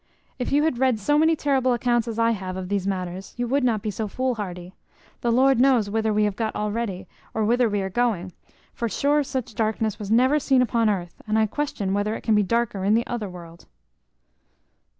If you had read so many terrible accounts as I have of these matters, you would not be so fool hardy. The Lord knows whither we have got already, or whither we are going; for sure such darkness was never seen upon earth, and I question whether it can be darker in the other world."